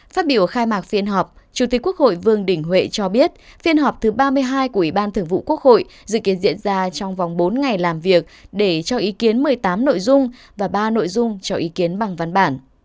phát biểu khai mạc phiên họp chủ tịch quốc hội vương đình huệ cho biết phiên họp thứ ba mươi hai của ủy ban thường vụ quốc hội dự kiến diễn ra trong vòng bốn ngày làm việc để cho ý kiến một mươi tám nội dung và ba nội dung cho ý kiến bằng văn bản